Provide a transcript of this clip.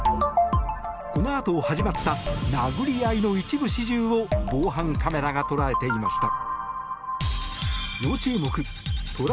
このあと始まった殴り合いの一部始終を防犯カメラが捉えていました。